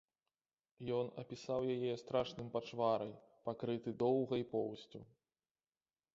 Ён апісаў яе страшным пачварай, пакрыты доўгай поўсцю.